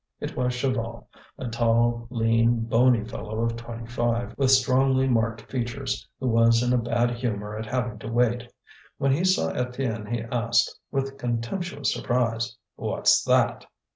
It was Chaval, a tall, lean, bony fellow of twenty five, with strongly marked features, who was in a bad humour at having to wait. When he saw Étienne he asked, with contemptuous surprise: "What's that?"